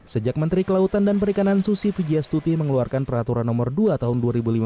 sejak menteri kelautan dan perikanan susi pujiastuti mengeluarkan peraturan nomor dua tahun dua ribu lima belas